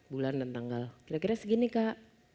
bulan dan tanggal kira kira segini kak